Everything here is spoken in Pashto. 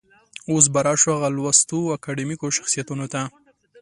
اوس به راشو هغه لوستو اکاډمیکو شخصيتونو ته.